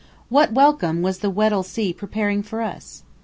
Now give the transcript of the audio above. What welcome was the Weddell Sea preparing for us?